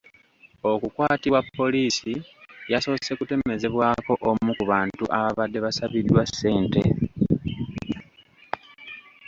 Okukwatibwa poliisi yasoose kutemezebwako omu ku bantu ababadde basabiddwa ssente.